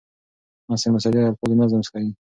نثر مسجع د الفاظو نظم ښيي.